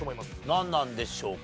なんなんでしょうか？